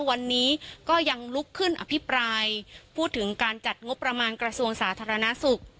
วันนี้ก็ยังลุกขึ้นอภิปรายพูดถึงการจัดงบประมาณกระทรวงสาธารณสุข